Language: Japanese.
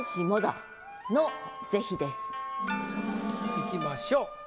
いきましょう。